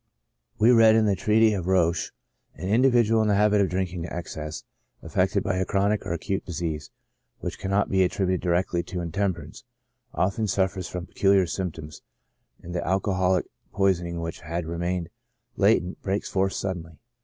We read in the treatise of Roesch: "An individual in the habit of drinking to excess, affected by a chronic or acute disease, which cannot be attributed directly to intem peiance, often suffers from peculiar symptoms, and the al coholic poisoning which had remained latent breaks forth suddenly.